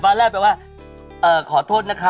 พะนุมานถวายคัณศร